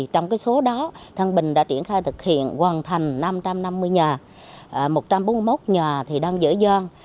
trong số đó thăng bình đã triển khai thực hiện hoàn thành năm trăm năm mươi nhà một trăm bốn mươi một nhà đang dễ dàng